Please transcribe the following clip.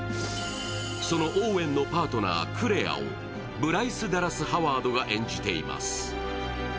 そのオーウェンのパートナー、クレアをブライス・ダラス・ハワードが演じています。